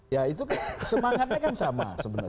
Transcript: ya itu kan semangatnya kan sama sebenarnya